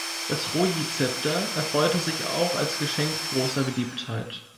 Das Ruyi-Zepter erfreute sich auch als Geschenk großer Beliebtheit.